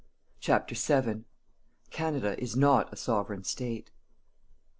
CHAPTER VII. CANADA IS NOT A SOVEREIGN STATE.